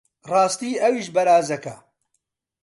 ڕاستی ئەویش بەرازەکە!